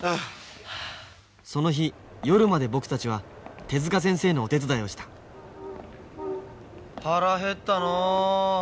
その日夜まで僕たちは手先生のお手伝いをした腹減ったのう。